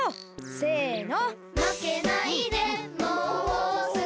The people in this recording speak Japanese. せの！